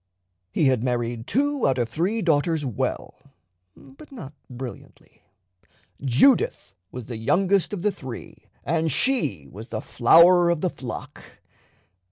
He had married two out of three daughters well, but not brilliantly. Judith was the youngest of the three, and she was the flower of the flock.